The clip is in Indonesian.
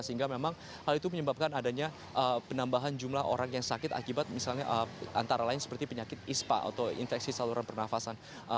sehingga memang hal itu menyebabkan adanya penambahan jumlah orang yang sakit akibat misalnya antara lain seperti penyakit ispa atau infeksi saluran pernafasan